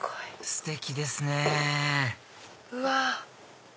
ステキですねうわ！